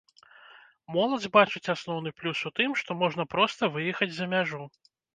Моладзь бачыць асноўны плюс у тым, што можна проста выехаць за мяжу.